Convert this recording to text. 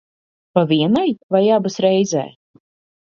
Pa vienai vai abas reizē?